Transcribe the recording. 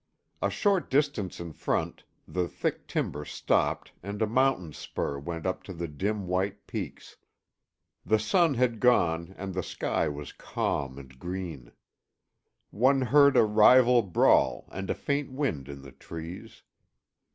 A short distance in front, the thick timber stopped and a mountain spur went up to the dim white peaks. The sun had gone and the sky was calm and green. One heard a river brawl and a faint wind in the trees.